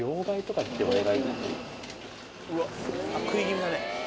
あっ食い気味だね。